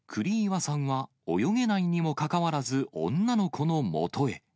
栗岩さんは泳げないにもかかわらず女の子のもとへ。